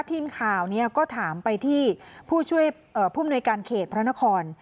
ทีมข่าวก็ถามไปที่ผู้ช่วยผู้มนวยการเขตพระนคร